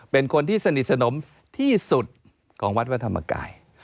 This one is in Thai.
เป็นคนที่สนิทสนมที่สุดของวัดพระธรรมกาย